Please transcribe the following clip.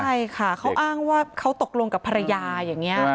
ใช่ค่ะเขาอ้างว่าเขาตกลงกับภรรยาอย่างนี้